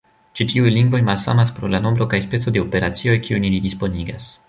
Ĉi tiuj lingvoj malsamas pro la nombro kaj speco de operacioj kiujn ili disponigas.